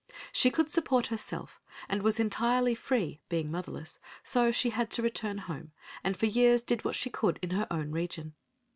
She could support herself and was entirely free, being motherless, so she had to return home, and for years did what she could in her own region.